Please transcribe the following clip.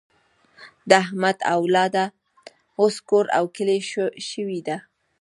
د احمد اولاده اوس کور او کلی شوې ده.